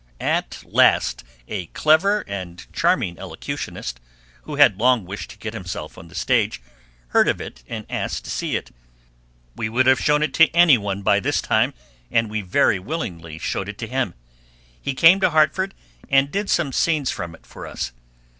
At last a clever and charming elocutionist, who had long wished to get himself on the stage, heard of it and asked to see it. We would have shown it to any one by this time, and we very willingly showed it to him. He came to Hartford and did some scenes from it for us.